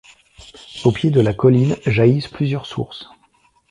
Au pied de la colline jaillissent plusieurs sources.